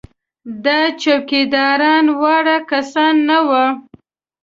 دا څوکیداران واړه کسان نه وو.